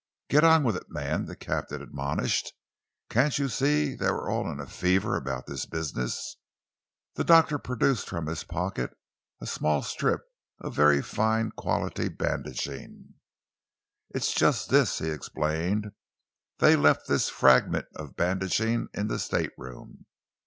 "Get on with it, man," the captain admonished. "Can't you see that we're all in a fever about this business?" The doctor produced from his pocket a small strip of very fine quality bandaging. "It's just this," he explained. "They left this fragment of bandaging in the stateroom.